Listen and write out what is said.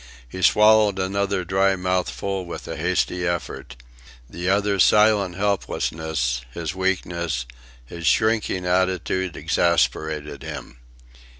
He swallowed another dry mouthful with a hasty effort. The other's silent helplessness, his weakness, his shrinking attitude exasperated him.